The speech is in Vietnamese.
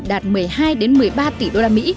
đạt một mươi hai một mươi ba tỷ usd